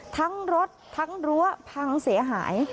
ทั้งรถทั้งรั้วพังเสียหาย